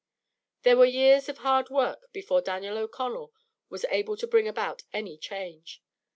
There were years of hard work before Daniel O'Connell was able to bring about any change.